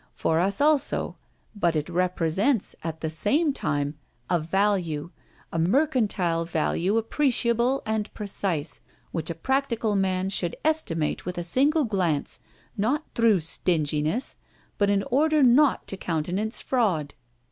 For us also, but it represents, at the same time, a value, a mercantile value appreciable and precise, which a practical man should estimate with a single glance, not through stinginess, but in order not to countenance fraud.